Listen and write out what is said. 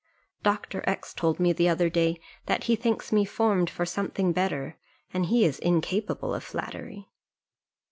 Dr. X told me, the other day, that he thinks me formed for something better, and he is incapable of flattery."